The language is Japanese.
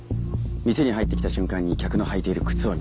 店に入ってきた瞬間に客の履いている靴を見る。